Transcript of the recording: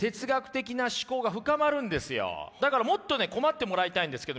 だからもっと困ってもらいたいんですけど。